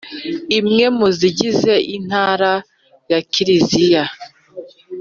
imwe mu zigize Intara ya Kiliziya